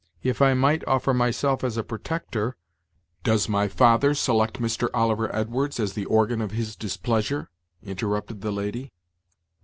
If I might offer my self as a protector " "Does my father select Mr. Oliver Edwards as the organ of his displeasure?" interrupted the lady.